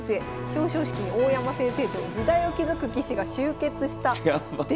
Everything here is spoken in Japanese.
表彰式に大山先生と時代を築く棋士が集結したやばっ。